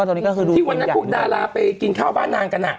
ที่วันนั้นพวกดาราไปกินข้าวบ้านนานกันอะ